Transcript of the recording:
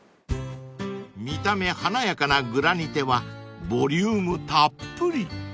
［見た目華やかなグラニテはボリュームたっぷり］